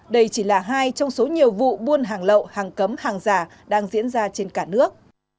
đây chỉ là hai trong số nhiều vụ buôn hàng lậu hàng cấm hàng giả đang diễn ra trên cả nước